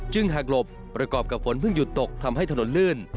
หากหลบประกอบกับฝนเพิ่งหยุดตกทำให้ถนนลื่น